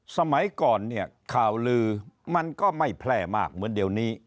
สมัยก่อนเนี่ยข่าวลือมันก็ไม่แพร่มากเหมือนเดี๋ยวนี้